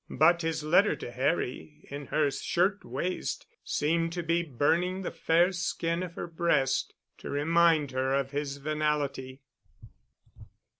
But his letter to Harry in her shirtwaist seemed to be burning the fair skin of her breast to remind her of his venality.